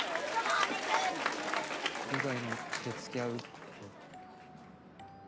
利害の一致でつきあうって。